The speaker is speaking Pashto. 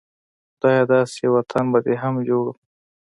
خدايه داسې يو وطن به دې هم جوړ و